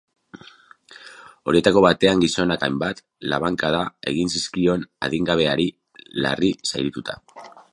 Horietako batean gizonak hainbat labankada egin zizkion adingabeari, larri zaurituta.